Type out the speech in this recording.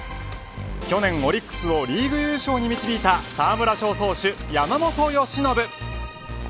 去年オリックスをリーグ優勝に導いた沢村賞投手、山本由伸。